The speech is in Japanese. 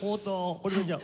これをじゃあ。